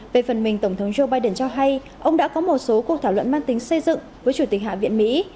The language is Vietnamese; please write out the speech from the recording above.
về phần mình tổng thống joe biden cho hay ông đã có một số cuộc thảo luận mang tính xây dựng với chủ tịch hạ viện mỹ